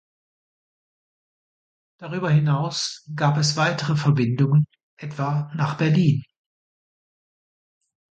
Darüber hinaus gab es weitere Verbindungen, etwa nach Berlin.